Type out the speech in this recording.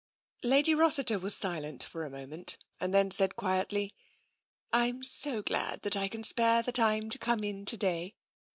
Lady Rossiter was silent for a moment and then said quietly, " I'm so glad that I can spare the time to come in to day.